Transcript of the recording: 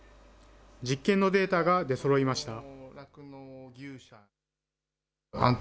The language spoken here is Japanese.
実験のデータが出そろいました。